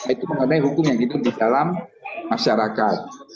itu mengenai hukum yang hidup di dalam masyarakat